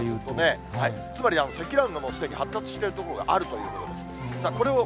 つまり積乱雲がもうすでに発達している所があるということです。